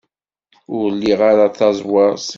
Ur liɣ ara taẓwert.